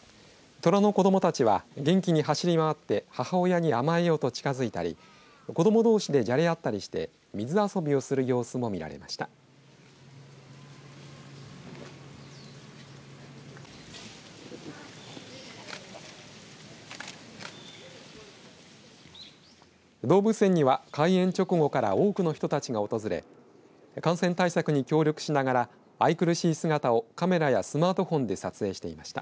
トラの子どもたちは元気に走り回って母親に甘えようと近づいたり子どもどうしでじゃれあったりして水遊びをする様子も見られました。